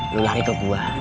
lo lari ke gua